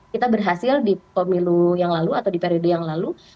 kita berhasil di pemilu yang lalu atau di periode yang lalu